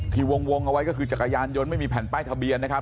วงเอาไว้ก็คือจักรยานยนต์ไม่มีแผ่นป้ายทะเบียนนะครับ